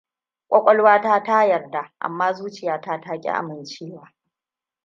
Ƙwaƙwalwata ta yarda, amma zuciyata ta ƙi amincewa.